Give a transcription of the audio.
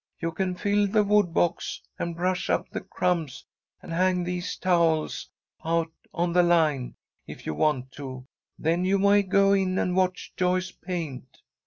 You can fill the wood box and brush up the crumbs and hang these towels out on the line, if you want to, then you may go in and watch Joyce paint."